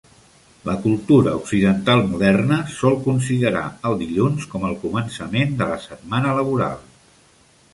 La cultura occidental moderna sol considerar el dilluns com el començament de la setmana laboral.